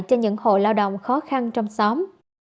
cho những hộ lao động khó khăn trong xóm